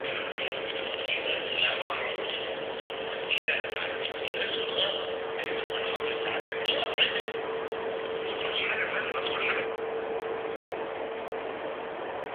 This made Galway a virtual city-state.